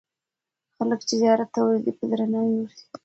خلک چې زیارت ته ورځي، په درناوي ورځي.